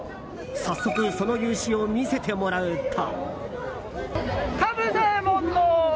早速、その雄姿を見せてもらうと。